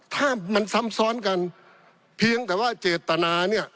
ถ้ามันซ้ำซ้อนกันเพียงแต่ว่าเจตนาเนี่ย